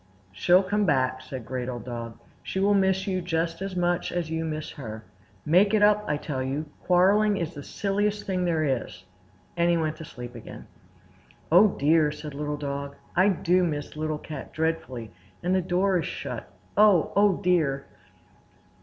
"She'll come back," said Great Old Dog. "She will miss you just as much as you miss her. Make it up, I tell you! Quarrelling is the silliest thing there is," and he went to sleep again. "Oh, dear!" said Little Dog. "I do miss Little Cat dreadfully, and the door is shut. Oh, oh dear!"